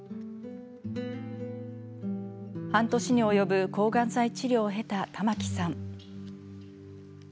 半年に及ぶ抗がん剤治療を経た玉木さん。